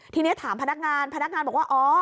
ทีนี้ถามพนักงานพนักงานบอกว่าอ๋อ